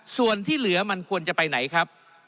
ส่วนที่เหลือมันควรจะไปไหนครับ